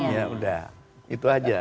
ya udah itu aja